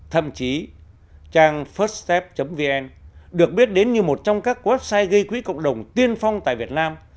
thậm chí trang firstep vn được biết đến như một trong các website gây quỹ cộng đồng tiên phong tại việt nam